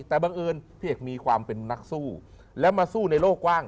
แต่บังเอิญพี่เอกมีความเป็นนักสู้แล้วมาสู้ในโลกกว้าง